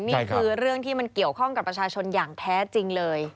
นี่คือเรื่องที่มันเกี่ยวข้องกับประชาชนอย่างแท้จริงเลย